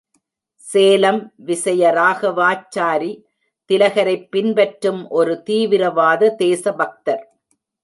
சேலம் விசயராகவாச்சாரி திலகரைப் பின்பற்றும் ஒரு தீவிரவாத தேசபக்தர்.